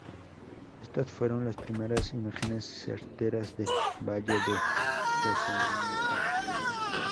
Estas fueron las primeras imágenes certeras del valle de Yosemite.